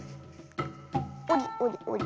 おりおりおり。